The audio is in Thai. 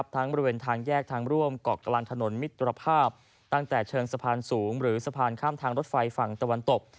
บริเวณทางแยกทางร่วมเกาะกลางถนนมิตรภาพตั้งแต่เชิงสะพานสูงหรือสะพานข้ามทางรถไฟฝั่งตะวันตก